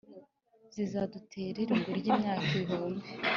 Kizadutera irungu ry’imyaka ibihumbiii